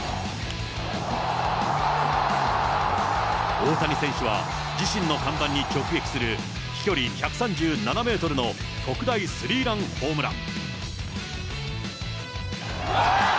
大谷選手は、自身の看板に直撃する飛距離１３７メートルの特大スリーランホームラン。